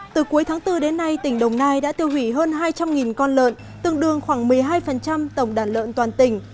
từ cuối tháng bốn đến nay tỉnh đồng nai đã tiêu hủy hơn hai trăm linh con lợn tương đương khoảng một mươi hai tổng đàn lợn toàn tỉnh